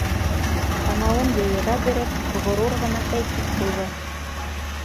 Танауын йыйыра биреп, ғорур ғына әйтеп ҡуйҙы: